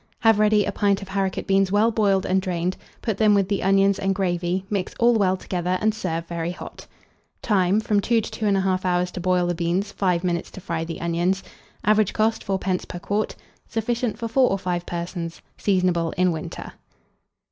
Have ready a pint of haricot beans well boiled and drained; put them with the onions and gravy, mix all well together, and serve very hot. Time. From 2 to 2 1/2 hours to boil the beans; 5 minutes to fry the onions. Average cost, 4d. per quart. Sufficient for 4 or 5 persons. Seasonable in winter.